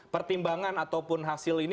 pertimbangan ataupun hasil ini